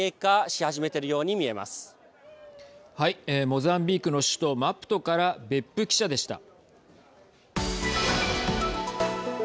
モザンビークの首都マプトから別府記者でした。